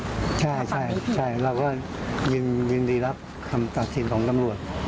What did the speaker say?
ครับใช่ใช่ใช่เราก็ดรีลับคำตัดศิลป์ของตำลวด